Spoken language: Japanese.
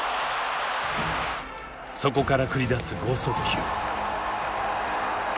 そこから繰り出す豪速球。